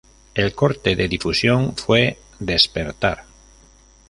El corte de difusión fue "Despertar".